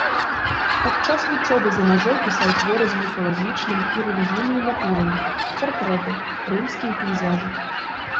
Падчас вучобы за мяжой пісаў творы з міфалагічнымі і рэлігійнымі матывамі, партрэты, рымскія пейзажы.